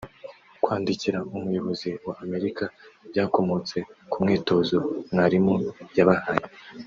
Kwandikira Umuyobozi wa Amerika byakomotse ku mwitozo mwarimu yabahaye